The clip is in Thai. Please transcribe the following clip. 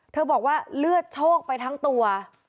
บอกว่าเลือดโชคไปทั้งตัว